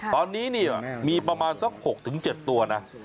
ตอนนี้เนี่ยมีประมาณสัก๖๗ตัวนะ